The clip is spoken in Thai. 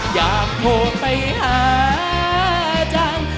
อยากโทรไปหาจัง